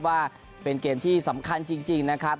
ว่าเป็นเกมที่สำคัญจริงนะครับ